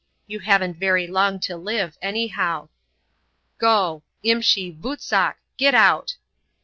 You haven't very long to live, anyhow. Go! Imshi, Vootsak,—get out!"